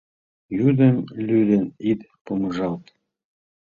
Йӱдым лӱдын ит помыжалт: